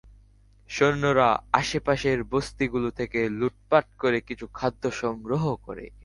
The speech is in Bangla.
সৈন্যরা আশেপাশের বস্তিগুলো থেকে লুটপাট করে কিছু খাদ্য সংগ্রহ করে।